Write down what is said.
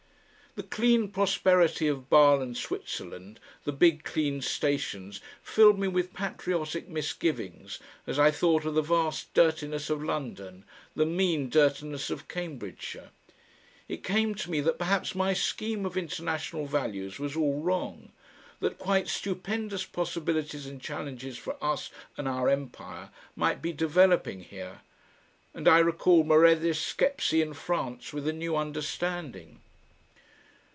The clean prosperity of Bale and Switzerland, the big clean stations, filled me with patriotic misgivings, as I thought of the vast dirtiness of London, the mean dirtiness of Cambridgeshire. It came to me that perhaps my scheme of international values was all wrong, that quite stupendous possibilities and challenges for us and our empire might be developing here and I recalled Meredith's Skepsey in France with a new understanding.